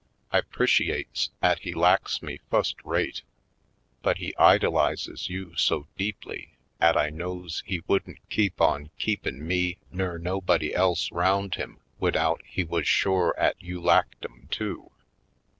I 'predates 'at he laks me fust rate ; but he idolizes you so deeply 'at I knows he wouldn't keep on keepin' me nur nobody else round him widout he wuz shore 'at you laked 'em, too.